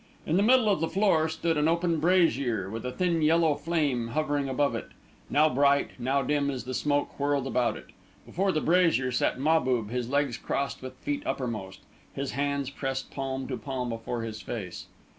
In the middle of the floor stood an open brazier, with a thin yellow flame hovering above it, now bright, now dim, as the smoke whirled about it. Before the brazier, sat Mahbub, his legs crossed with feet uppermost, his hands pressed palm to palm before his face.